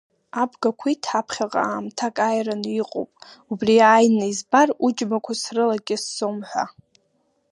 Абга қәит, ҳаԥхьаҟа аамҭак ааираны иҟоуп, убри ааины избар, уџьмақәа срылакьысӡом ҳәа.